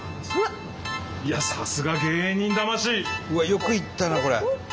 よくいったなこれ。